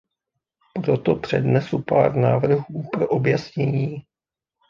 Proto přednesu pár návrhů pro objasnění.